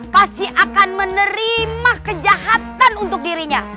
pasti akan menerima kejahatan untuk dirinya